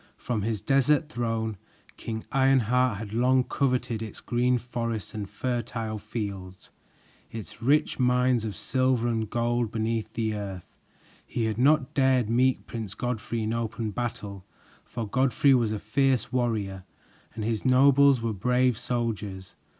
From his desert throne, King Ironheart had long coveted its great forests and fertile fields, its rich mines of silver and gold beneath the earth. He had not dared meet Prince Godfrey in open battle, for Godfrey was a fierce warrior and his nobles were brave soldiers.